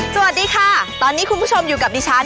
สวัสดีค่ะตอนนี้คุณผู้ชมอยู่กับดิฉัน